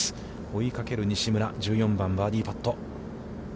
追いかける西村、１４番、バーディーパット。